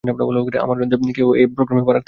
আমার অজান্তে কেউ এই গ্রামে পা রাখতে পারে না।